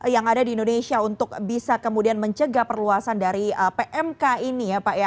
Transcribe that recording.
yang ada di indonesia untuk bisa kemudian mencegah perluasan dari pmk ini ya pak ya